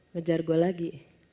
ngejar gue lagi